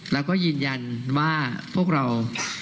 แล้วก็ยืนยันว่าพวกเรา